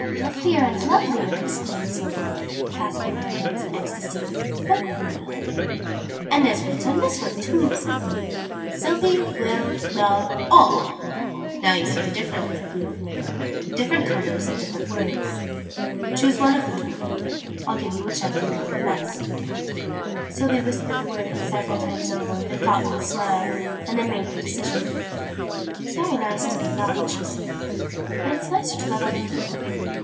"Lovelier and lovelier!" exclaimed Sylvie, clasping her hands in ecstasy. "Look, Bruno!" "And there's words on this one, too," said Bruno. "Sylvie will love all." "Now you see the difference," said the old man: "different colours and different words." "Choose one of them, darling. I'll give you which ever you like best." {Image...The crimson locket} Sylvie whispered the words, several times over, with a thoughtful smile, and then made her decision. "It's very nice to be loved," she said: "but it's nicer to love other people!